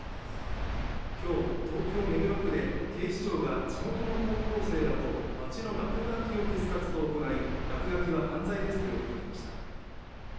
今日、東京・目黒区で警視庁が地元の高校生らと街の落書きを消す活動を行い、落書きは犯罪ですと呼びかけました。